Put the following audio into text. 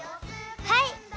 はい！